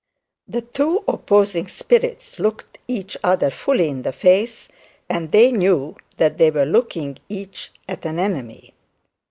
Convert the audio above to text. The two opposing spirits looked each other fully in the face, and they knew that they were looking each at an enemy.